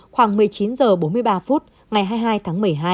khoảng một mươi chín h bốn mươi ba phút ngày hai mươi hai tháng một mươi hai